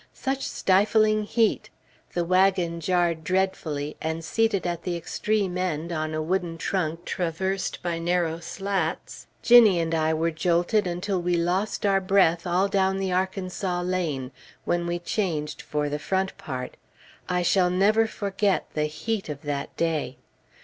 Such stifling heat! The wagon jarred dreadfully, and seated at the extreme end, on a wooden trunk traversed by narrow slats, Ginnie and I were jolted until we lost our breath, all down Arkansas Lane, when we changed for the front part. I shall never forget the heat of that day.